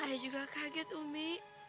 ayah juga kaget umi